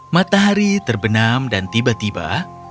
matahari terbenam dan tiba tiba